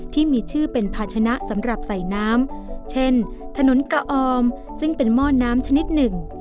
ที่มีชื่อเป็นภาชนะสำหรับใส่น้ำเช่นถนนกะออมซึ่งเป็นหม้อน้ำชนิดหนึ่ง